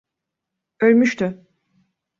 Ölmüştü.